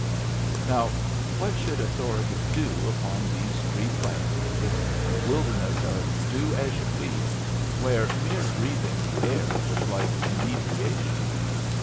Now what should authority do upon these free plains, this wilderness of do as you please, where mere breathing the air was like inebriation?